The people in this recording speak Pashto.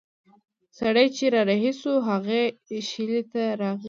سړی چې را رهي شو هغې شېلې ته راغی.